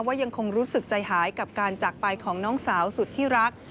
ยังคงรู้สึกใจหายกับการจากไปของน้องสาวสุดที่รัก